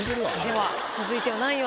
では続いては何位を？